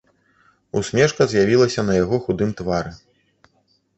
Усмешка з'явілася на яго худым твары.